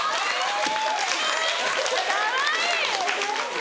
・かわいい！